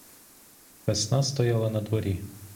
Весна стояла на дворі.